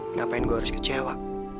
ngapain gue harus kecewa